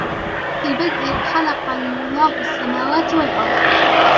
فِي الْبَدْءِ خَلَقَ اللهُ السَّمَاوَاتِ وَالأَرْضَ ،